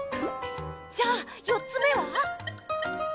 じゃあ４つ目は。